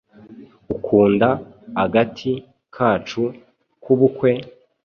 Ukunda agati kacu k'ubukwe?